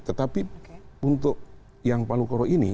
tetapi untuk yang palu koro ini